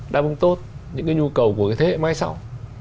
đáp ứng tốt những cái nhu cầu của cái thế hệ mai sau